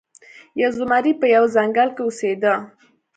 یو زمری په یوه ځنګل کې اوسیده.